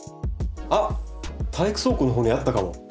あっ体育倉庫のほうにあったかも。